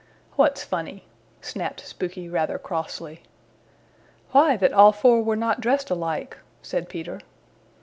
"What's funny?" snapped Spooky rather crossly. "Why that all four were not dressed alike," said Peter.